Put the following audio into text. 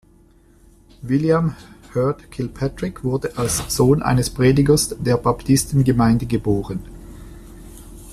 William Heard Kilpatrick wurde als Sohn eines Predigers der Baptisten-Gemeinde geboren.